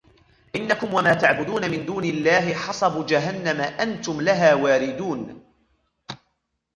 إنكم وما تعبدون من دون الله حصب جهنم أنتم لها واردون